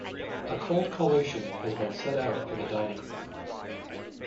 A cold collation has been set out in the dining-room.